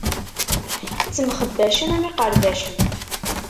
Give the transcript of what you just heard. Ttemxebbacen am iqerdacen.